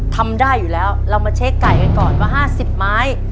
ทำได้อยู่แล้วเรามาเช็คไก่กันก่อนว่า๕๐ไม้